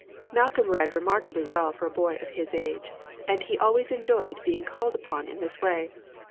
Malcolm read remarkably well for a boy of his age, and he always enjoyed being called upon in this way.